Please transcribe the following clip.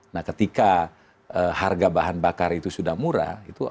nah ketika harga bahan bakar itu sudah murah